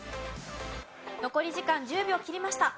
残り時間１０秒を切りました。